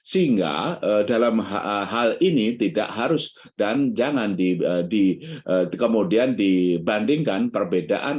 sehingga dalam hal ini tidak harus dan jangan kemudian dibandingkan perbedaan